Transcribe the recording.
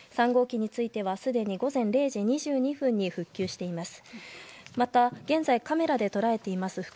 ３号機についてはすでに午前０時２２分に復旧しています。